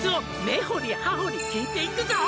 「根掘り葉掘り聞いていくぞ」